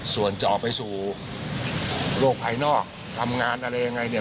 ส่วนจะออกไปสู่โรคภัยนอกก็ทำงานอะไรอย่างไร